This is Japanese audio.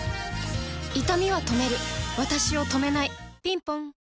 いたみは止めるわたしを止めないぴんぽん